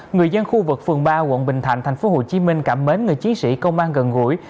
người dân khu vực phường ba quận bình thạnh tp hcm cảm mến người chiến sĩ công an gần gũi